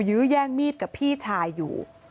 ยื้อแย่งมีดกับพี่ชายอยู่